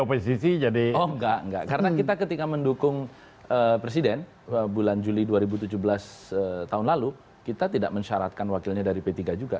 oh enggak enggak karena kita ketika mendukung presiden bulan juli dua ribu tujuh belas tahun lalu kita tidak mensyaratkan wakilnya dari p tiga juga